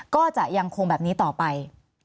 ก็จะยังคงแบบนี้ต่อไป